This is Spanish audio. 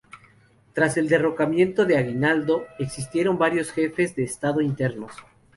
Tras el derrocamiento de Aguinaldo, existieron varios jefes de estado interinos.